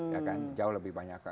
ya kan jauh lebih banyak